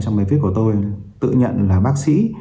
trong bài viết của tôi tự nhận là bác sĩ